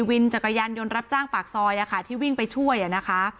วินจักรยานยนต์รับจ้างปากซอยที่วิ่งไปช่วยนะคะ